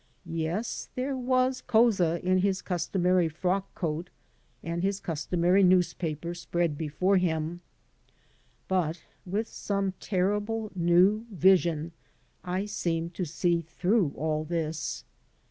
Yes, there was Couza in his customary frock coat and his customary newspaper spread before him, but with some terrible new vision I seemed to see through all this.